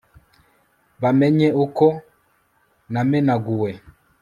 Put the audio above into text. bamenye uko namenaguwe